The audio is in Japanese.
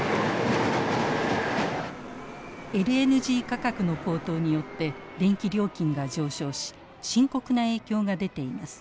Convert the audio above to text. ＬＮＧ価格の高騰によって電気料金が上昇し深刻な影響が出ています。